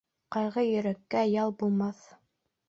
Ҡайғы йөрәккә ял булмаҫ.